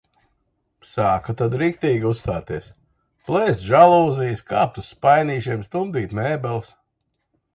Sāka tad riktīgi uzstāties – plēst žalūzijas, kāpt uz spainīšiem, stumdīt mēbeles.